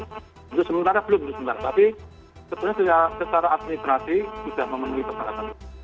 untuk sementara belum sebentar tapi sebenarnya secara administrasi sudah memenuhi persyaratan